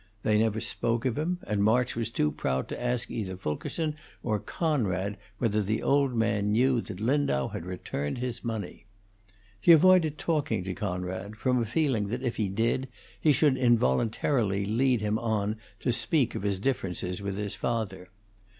They never spoke of him, and March was too proud to ask either Fulkerson or Conrad whether the old man knew that Lindau had returned his money. He avoided talking to Conrad, from a feeling that if he did he should involuntarily lead him on to speak of his differences with his father.